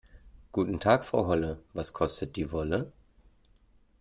Guten Tag Frau Holle, was kostet die Wolle?